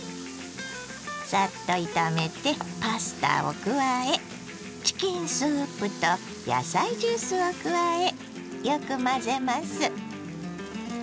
サッと炒めてパスタを加えチキンスープと野菜ジュースを加えよく混ぜます。